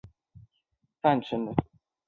山东兖州平阴县东阿镇洪范村人。